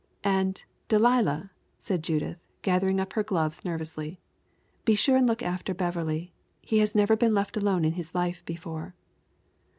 "And, Delilah," said Judith, gathering up her gloves nervously, "be sure and look after Beverley. He has never been left alone in his life before."